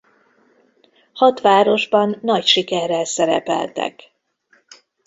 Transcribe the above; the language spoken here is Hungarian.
Hat városban nagy sikerrel szerepeltek.